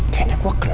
kayaknya gua kenal